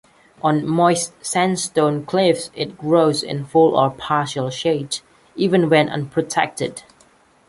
On moist sandstone cliffs it grows in full or partial shade, even when unprotected.